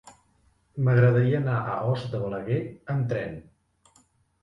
M'agradaria anar a Os de Balaguer amb tren.